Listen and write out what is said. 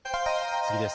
次です。